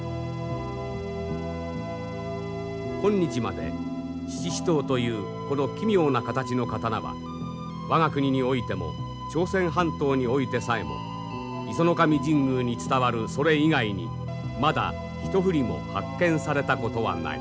今日まで七支刀というこの奇妙な形の刀は我が国においても朝鮮半島においてさえも石上神宮に伝わるそれ以外にまだ一ふりも発見されたことはない。